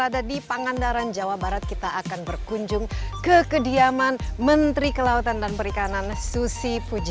jangan lupa subscribe channel ini untuk dapat info terbaru dari kami